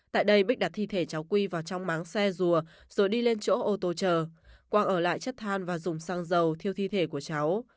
tại đây bích đặt thi thể cháu quy vào trong máng xe rùa rồi đi lên chỗ ô tô chờ quang ở lại chất than và dùng xăng dầu thiêu thi thể của cháu